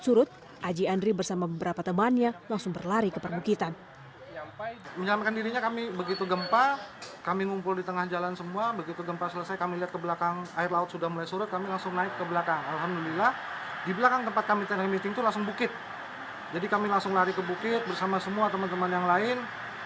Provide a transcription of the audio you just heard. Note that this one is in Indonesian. surut aji andri bersama beberapa temannya langsung berlari ke perbukitan air laut